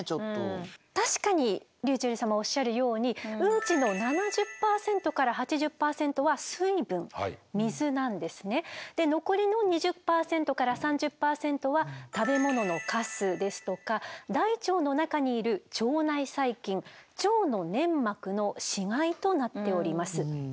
確かにｒｙｕｃｈｅｌｌ様おっしゃるようにで残りの２０％から３０％は食べ物のカスですとか大腸の中にいる腸内細菌腸の粘膜の死骸となっております。